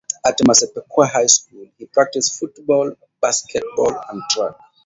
At Massapequa High School, he practiced football, basketball and track.